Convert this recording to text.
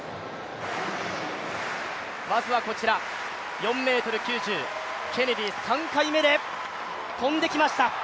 まずはこちら、４ｍ９０、ケネディ３回目で跳んできました。